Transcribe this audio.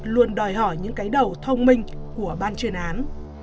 luôn đòi hỏi những cái đầu thông minh của ban chuyên án